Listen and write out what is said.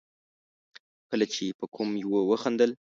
کله چې به کوم يوه وخندل.